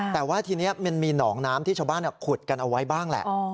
แต่ว่าทีนี้มันมีหนองน้ำที่ชาวบ้านขุดกันเอาไว้บ้างแหละ